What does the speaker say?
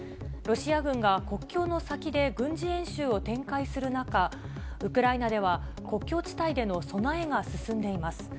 ロシア軍が国境の先で軍事演習を展開する中、ウクライナでは国境地帯での備えが進んでいます。